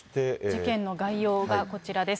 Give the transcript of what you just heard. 事件の概要がこちらです。